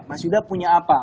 mas yuda punya apa